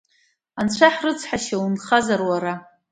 Анцәа ҳрыцҳашьа, унхазар уара!